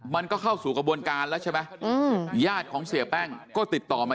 มันก็เข้าสู่กระบวนการแล้วใช่ไหมญาติของเสียแป้งก็ติดต่อมา